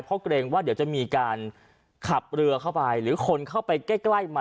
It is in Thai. เพราะเกรงว่าเดี๋ยวจะมีการขับเรือเข้าไปหรือคนเข้าไปใกล้มา